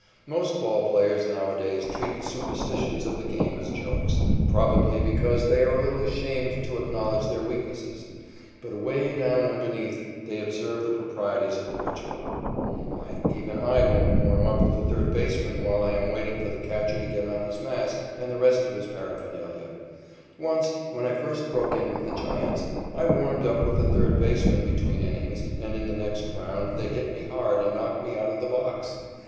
Most ball players nowadays treat the superstitions of the game as jokes, probably because they are a little ashamed to acknowledge their weaknesses, but away down underneath they observe the proprieties of the ritual. Why, even I won't warm up with the third baseman while I am waiting for the catcher to get on his mask and the rest of his paraphernalia. Once, when I first broke in with the Giants, I warmed up with the third baseman between innings and in the next round they hit me hard and knocked me out of the box.